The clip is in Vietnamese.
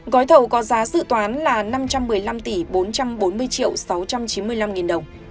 gói thầu có giá dự toán là năm trăm một mươi năm bốn trăm bốn mươi sáu trăm chín mươi năm đồng